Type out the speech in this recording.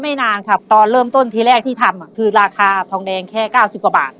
ไม่นานครับตอนเริ่มต้นที่แรกที่ทำคือราคาทองแดงแค่๙๐กว่าบาท